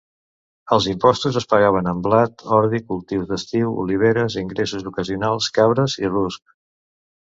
Els impostos es pagaven amb blat, ordi, cultius d'estiu, oliveres, ingressos ocasionals, cabres i ruscs.